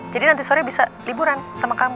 jadi nanti sore bisa liburan sama kamu